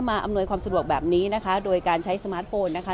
อำนวยความสะดวกแบบนี้นะคะโดยการใช้สมาร์ทโฟนนะคะ